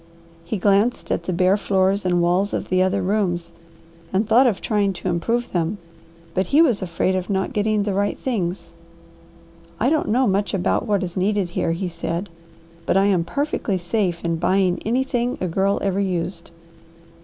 He glanced at the bare floors and walls of the other rooms, and thought of trying to improve them, but he was afraid of not getting the right things. "I don't know much about what is needed here," he said, "but I am perfectly safe in buying anything a girl ever used."